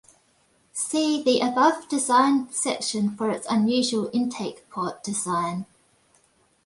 See the above Design section for its unusual intake port design.